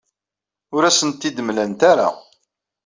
Ur asent-t-id-mlant ara.